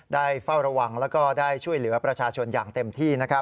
เฝ้าระวังแล้วก็ได้ช่วยเหลือประชาชนอย่างเต็มที่